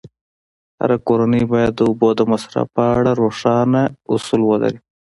هره کورنۍ باید د اوبو د مصرف په اړه روښانه اصول ولري.